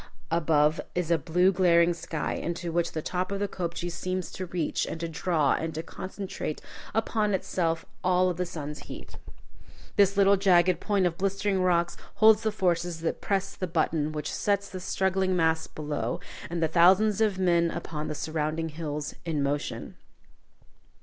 Above is a blue glaring sky, into which the top of the kopje seems to reach, and to draw and concentrate upon itself all of the sun's heat. This little jagged point of blistering rocks holds the forces that press the button which sets the struggling mass below, and the thousands of men upon the surrounding hills, in motion.